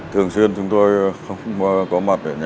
thường xuyên chúng tôi không có mặt ở nhà